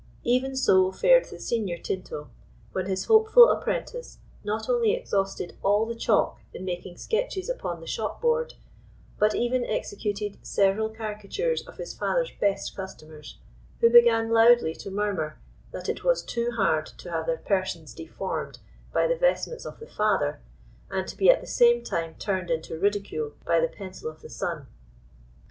Even so fared the senior Tinto, when his hopeful apprentice not only exhausted all the chalk in making sketches upon the shopboard, but even executed several caricatures of his father's best customers, who began loudly to murmur, that it was too hard to have their persons deformed by the vestments of the father, and to be at the same time turned into ridicule by the pencil of the son.